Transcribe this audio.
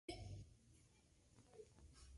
Su marca era la flor de lis de los Borbones.